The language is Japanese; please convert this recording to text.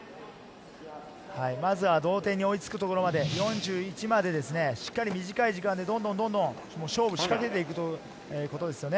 まずは同点に追いつくところまで、４１までしっかり短い時間でどんどん、どんどん勝負をしかけていくことですね。